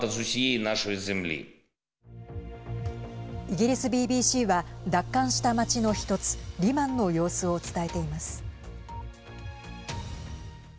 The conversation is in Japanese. イギリスＢＢＣは奪還した街の１つリマンの様子を伝えています。